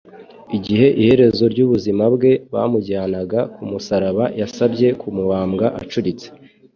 Igihe ku iherezo ry'ubuzima bwe, bamujyanaga ku musaraba, yasabye kubambwa acuritse.